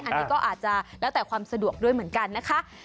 อันนี้ก็อาจจะแล้วแต่ความสะดวกด้วยเหมือนกันนะคะ